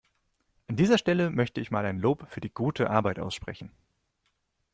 An dieser Stelle möchte ich mal ein Lob für die gute Arbeit aussprechen.